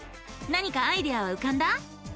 何かアイデアはうかんだ？